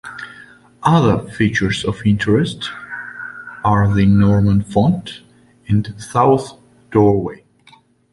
Other features of interest are the Norman font and south doorway.